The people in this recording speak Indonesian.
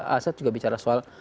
aset juga bicara soal